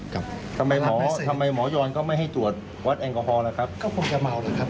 ทำไมหมอย้อนก็ไม่ให้ตรวจวัดแองกอฮอล์ล่ะครับ